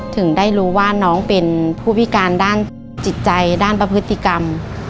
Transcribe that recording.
ถึงได้รู้ว่าน้องเป็นผู้พิการด้านจิตใจด้านประพฤติกรรม